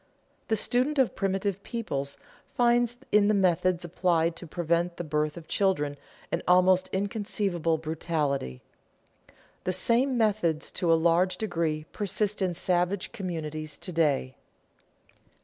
The student of primitive peoples finds in the methods applied to prevent the birth of children an almost inconceivable brutality. The same methods to a large degree persist in savage communities to day.